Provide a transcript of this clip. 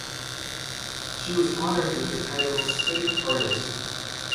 She was honored with the title "State Artist".